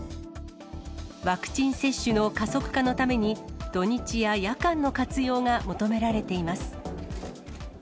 ワクチン接種の加速化のために、土日や夜間の活用が求められています。